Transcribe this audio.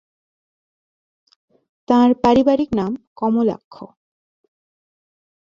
তাঁর পারিবারিক নাম কমলাক্ষ।